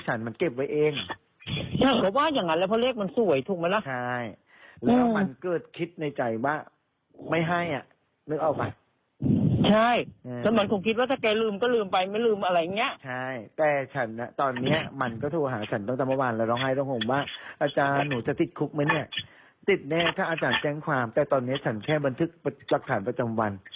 หรือว่ามันเกิดคิดในใจว่าไม่ให้อ่ะนึกเอาไปใช่แต่มันคงคิดว่าถ้าแกลืมก็ลืมไปไม่ลืมอะไรอย่างเงี้ยใช่แต่ฉันอ่ะตอนเนี้ยมันก็โทรหาฉันตั้งแต่เมื่อวานแล้วร้องไห้ต้องห่วงว่าอาจารย์หนูจะติดคุกไหมเนี้ยติดแน่ถ้าอาจารย์แจ้งความแต่ตอนเนี้ยฉันแค่บันทึกประจำวัน